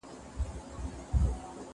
زه کالي نه وچوم؟